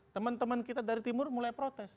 teman teman kita dari timur mulai protes